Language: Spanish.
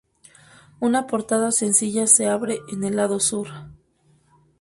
Una portada sencilla se abre en el lado sur.